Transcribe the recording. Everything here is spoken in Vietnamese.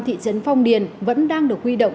thị trấn phong điền vẫn đang được huy động